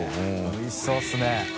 おいしそうですね。